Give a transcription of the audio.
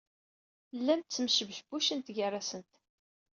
Llant ttmesbucbucen gar-asent.